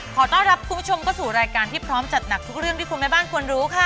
ขอต้อนรับคุณผู้ชมเข้าสู่รายการที่พร้อมจัดหนักทุกเรื่องที่คุณแม่บ้านควรรู้ค่ะ